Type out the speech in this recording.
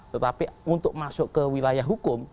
tetapi untuk masuk ke wilayah hukum